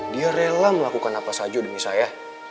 dia rela melakukan apa saja demi saya